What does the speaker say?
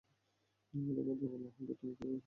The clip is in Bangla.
আমার কথা বলতে হবে-- - তুমি এভাবে ফোন করতে পার না।